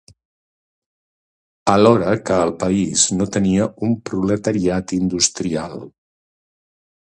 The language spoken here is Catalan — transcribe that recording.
Alhora que el país no tenia un proletariat industrial.